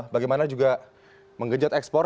bagaimana juga mengenjot ekspor